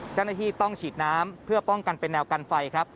เจ้าหน้าที่ต้องฉีดน้ำเพื่อป้องกันเป็นแนวกันไฟครับ